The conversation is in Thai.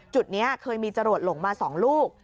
จุดนี้เคยมีจรวดหลงมา๒ลูก